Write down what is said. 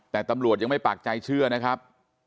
แต่ตำรวจยังไม่ปากใจเชื่อนะครับ